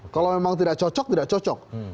kalau memang tidak cocok tidak cocok